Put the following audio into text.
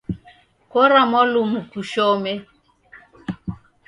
Kora mwalumu kushome